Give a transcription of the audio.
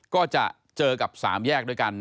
ก็จะเจอกับ๓แยกด้วยกัน